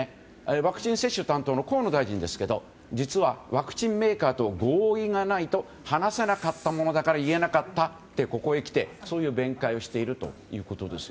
ワクチン接種担当の河野大臣ですが実はワクチンメーカーと合意がないと話せなかったものだから言えなかったとここへきて、そういう弁解をしているということです。